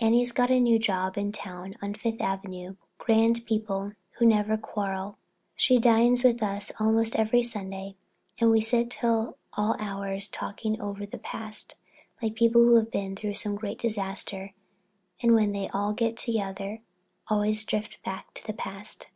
Annie's got a new job in town, on Fifth Avenue, grand people who never quarrel. She dines with us most every Sunday and we sit till all hours talking over the past, like people who've been in some great disaster and when they get together always drift back to the subject.